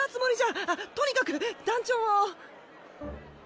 あっとにかく団長を。